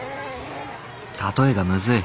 例えがむずい